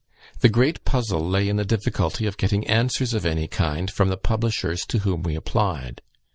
The great puzzle lay in the difficulty of getting answers of any kind from the publishers to whom we applied.